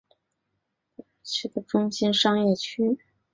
该区域成为法兰克福班荷福斯威尔德尔区的中心商业区。